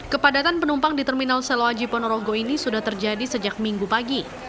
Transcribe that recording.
kepadatan penumpang di terminal seloji ponorogo ini sudah terjadi sejak minggu pagi